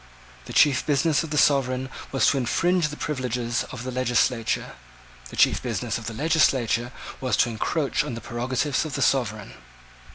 The chief business of the sovereign was to infringe the privileges of the legislature. The chief business of the legislature was to encroach on the prerogatives of the sovereign.